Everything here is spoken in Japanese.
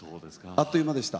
あっという間でした。